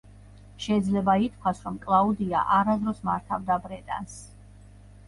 შეიძლება ითქვას, რომ კლაუდია არასდროს მართავდა ბრეტანს.